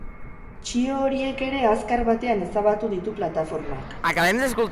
Txio horiek ere azkar batean ezabatu ditu plataformak.